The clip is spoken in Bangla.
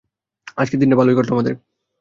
আজকের দিনটা ভালোই কাটলো আমাদের।